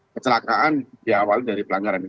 kecelakaan di awal dari pelanggaran ini